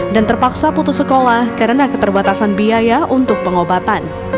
dan terpaksa putus sekolah karena keterbatasan biaya untuk pengobatan